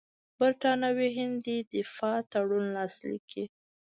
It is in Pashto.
برټانوي هند دې دفاعي تړون لاسلیک کړي.